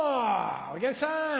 お客さん！